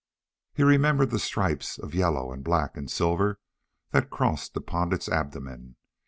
He remembered the stripes of yellow and black and silver that crossed upon its abdomen.